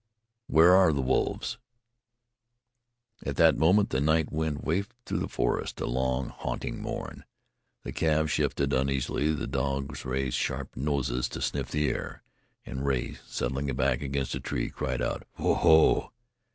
Where are the wolves?" At that moment the night wind wafted through the forest a long, haunting mourn. The calves shifted uneasily; the dogs raised sharp noses to sniff the air, and Rea, settling back against a tree, cried out: "Ho! Ho!"